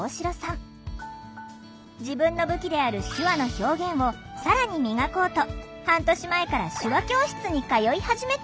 自分の武器である手話の表現を更に磨こうと半年前から手話教室に通い始めた。